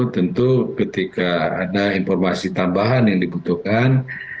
tentu ketika ada informasi tambahan yang dibutuhkan